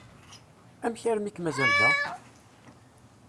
Amek armi i k-mazal da?